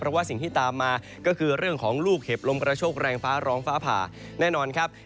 เพราะว่าสิ่งที่ตามมาก็คือเรื่องของลูกเห็บลมกระโชคแรงฟ้าร้องฟ้าผ่าแน่นอนครับ